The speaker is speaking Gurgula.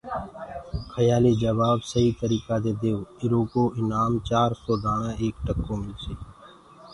کيآليٚ جبآب سهيٚ تريٚڪآ دي دئيو ايٚرو ايٚنآم چآرسو دآڻآ ايڪ ٽڪو ملسيٚ